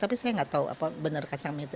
tapi saya tidak tahu apa benar kacang kacang itu